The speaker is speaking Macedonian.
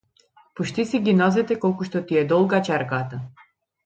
Пушти си ги нозете колку што ти е долга чергата.